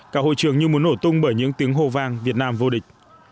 cả hội trường như muốn nổ tung bởi những tiếng hồ vang việt nam vô địch